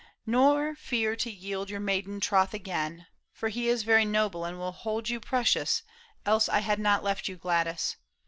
Nor fear to yield your maiden troth again, For he is very noble and will hold You precious, else I had not left you, Gladys.